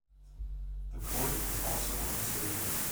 The court was also unstable.